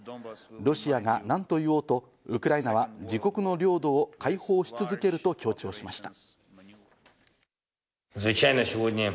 ロシアが何と言おうとウクライナは自国の領土を解放し続けると強調しました。